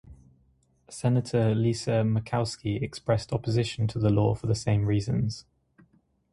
Senator Lisa Murkowski expressed opposition to the law for the same reasons.